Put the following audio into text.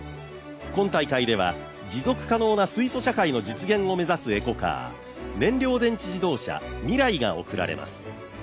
今大会では、持続可能な水素社会の実現を目指すエコカー燃料電池自動車、ＭＩＲＡＩが贈られます。